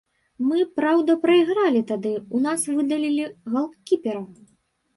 Мы, праўда, прайгралі тады, у нас выдалілі галкіпера.